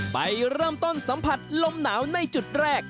ไปเริ่มต้นสัมผัสลมหนาวในจุดแรก